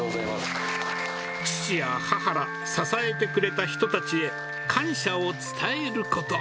父や母ら、支えてくれた人たちへ、感謝を伝えること。